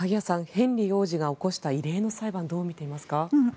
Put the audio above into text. ヘンリー王子が起こした異例の裁判どう見ていますか？